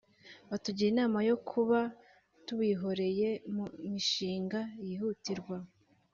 batugira inama yo kuba tuwihoreye mu mishinga yihutirwa